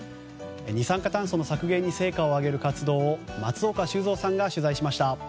二酸化炭素に削減に成果を上げる活動を松岡修造さんが取材しました。